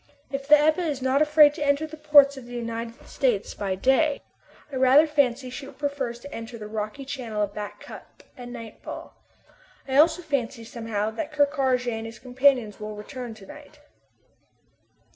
If the Ebba is not afraid to enter the ports of the United States by day, I rather fancy she prefers to enter the rocky channel of Back Cup at nightfall. I also fancy, somehow, that Ker Karraje and his companions will return to night.